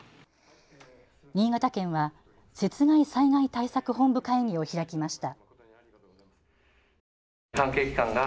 新潟県は雪害災害対策本部会議を開きました。